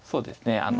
あの。